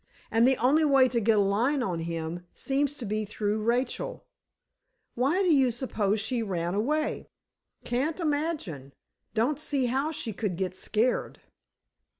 And the only way to get a line on him, seems to be through Rachel. Why do you suppose she ran away?" "Can't imagine. Don't see how she could get scared."